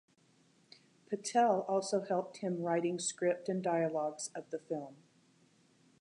Patel also helped him writing script and dialogues of the film.